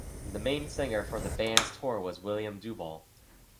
The main singer for the band's tour was William DuVall.